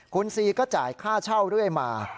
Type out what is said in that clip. คุณซีก็จ่ายค่าเช่าเรื่อยมา